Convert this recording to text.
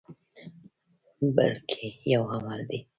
بلکې یو عمل دی.